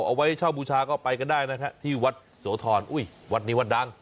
เอาไว้เช่าบูชาก็ไปกันได้นะฮะที่วัดโสธรอุ้ยวัดนี้วัดดัง